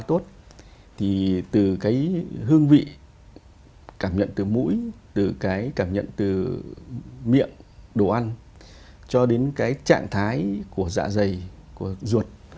thì từ cái hương vị cảm nhận từ mũi từ cái cảm nhận từ miệng đồ ăn cho đến cái trạng thái của dạ dày của ruột